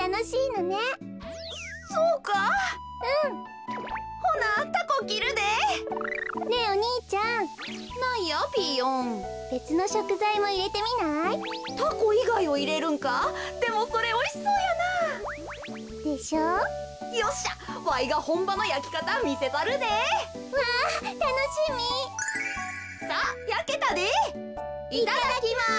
いただきます。